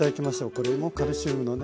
これもカルシウムのね